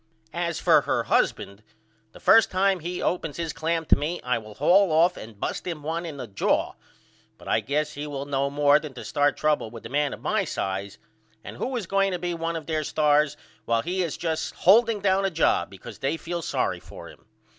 As for her husband the first time he opens his clam to me I will haul off and bust him one in the jaw but I guess he will know more than to start trouble with a man of my size and who is going to be one of their stars while he is just holding down a job because they feel sorry for him.